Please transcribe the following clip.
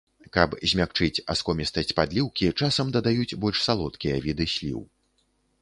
Каб змякчыць аскомістасць падліўкі, часам дадаюць больш салодкія віды сліў.